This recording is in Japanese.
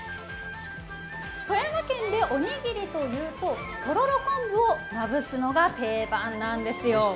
富山県でおにぎりというととろろ昆布をまぶすのが定番なんですよ。